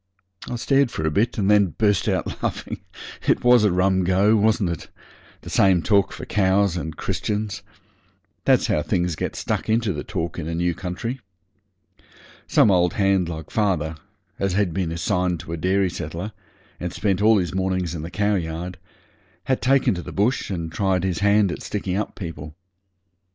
I stared for a bit, and then burst out laughing. It was a rum go, wasn't it? The same talk for cows and Christians. That's how things get stuck into the talk in a new country. Some old hand like father, as had been assigned to a dairy settler, and spent all his mornings in the cowyard, had taken to the bush and tried his hand at sticking up people.